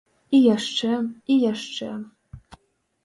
І яшчэ і яшчэ.